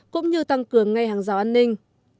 cũng như tăng cường ngay hàng rào an ninh